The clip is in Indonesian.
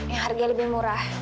yang harganya lebih murah